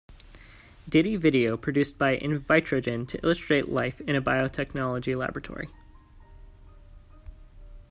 Diddy video produced by Invitrogen to illustrate life in a biotechnology laboratory.